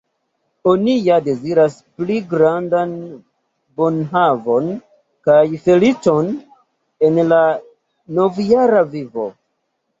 Oni ja deziras pli grandan bonhavon kaj feliĉon en la novjara vivo.